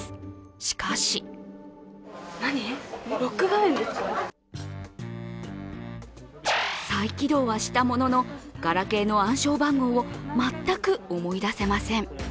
しかし再起動はしたものの、ガラケーの暗証番号を全く思い出せません。